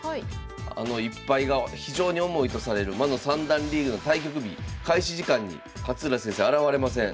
あの１敗が非常に重いとされる魔の三段リーグの対局日開始時間に勝浦先生現れません。